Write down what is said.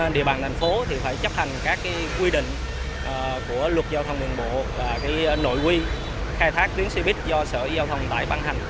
địa bàn thành phố thì phải chấp hành các quy định của luật giao thông đường bộ và nội quy khai thác tuyến xe buýt do sở giao thông tải băng hành